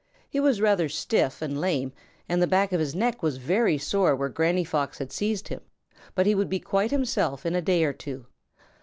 He was rather stiff and lame, and the back of his neck was very sore where Granny Fox had seized him, but he would be quite himself in a day or two.